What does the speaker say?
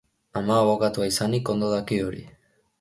Ama abokatua izanik ondo daki hori.